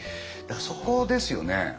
そこですよね。